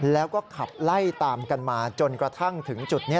แล้วก็ขับไล่ตามกันมาจนกระทั่งถึงจุดนี้